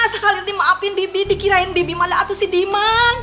sekali ini maapin bibi dikirain bibi malah atuh si dima